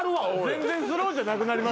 全然スローじゃなくなる。